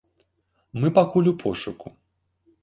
Мы пакуль у пошуку.